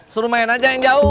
suruh main aja yang jauh